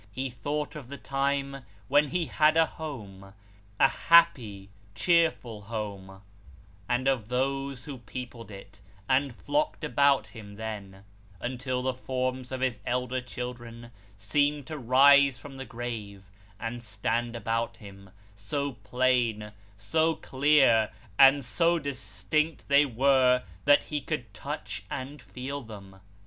He thought of the time when he had a home a happy, cheerful homo and of those who peopled it, and flocked about him then, until the forms of his elder children seemed to rise from the grave, and stand about him so plain, so clear, and so distinct they were that he could touch and feel them.